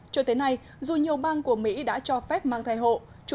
cho tới nay dù nhiều bang của mỹ đã cho phép mang thai hộ